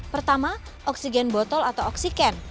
pertama oksigen botol atau oksigen